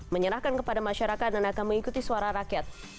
menyerahkan kepada masyarakat dan akan mengikuti suara rakyat